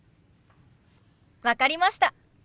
分かりました。